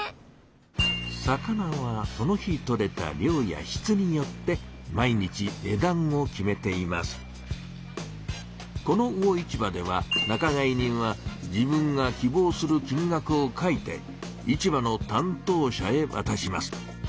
魚はその日とれた量やしつによってこの魚市場では仲買人は自分が希望する金額を書いて市場のたん当者へわたします。